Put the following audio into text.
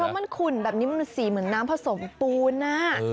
เพราะมันขุ่นแบบนี้มันสีเหมือนน้ำผสมปูน